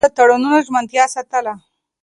هغه د تړونونو ژمنتيا ساتله.